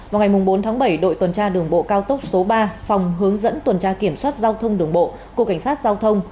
vào ngày bốn tháng bảy đội tuần tra đường bộ cao tốc số ba phòng hướng dẫn tuần tra kiểm soát giao thông đường bộ của cảnh sát giao thông